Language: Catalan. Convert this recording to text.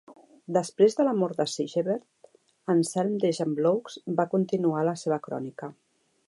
Després de la mort de Sigebert, Anselm de Gembloux va continuar la seva crònica.